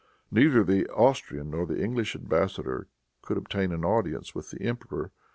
Neither the Austrian nor the English embassador could obtain an audience with the emperor.